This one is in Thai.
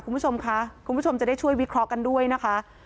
คุณผู้ชมค่ะคุณผู้ชมจะได้ช่วยวิเคราะห์กันด้วยนะคะ